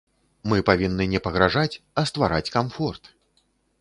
Мы павінны не пагражаць, а ствараць камфорт.